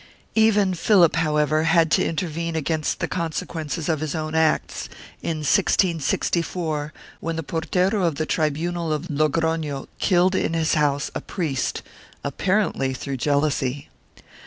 1 Even Philip however had to intervene against the consequences of his own acts, in 1664, when the portero of the tribunal of Logrono killed in his house a priest, apparently through jealousy.